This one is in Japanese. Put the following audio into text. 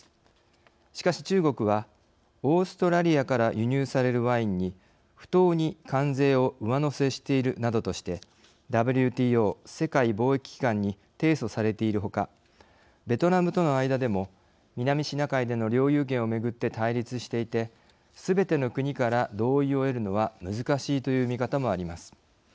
しかし中国はオーストラリアから輸入されるワインに不当に関税を上乗せしているなどとしてＷＴＯ＝世界貿易機関に提訴されているほかベトナムとの間でも南シナ海での領有権をめぐって対立していてすべての国から同意を得るのは難しいという見方もあります。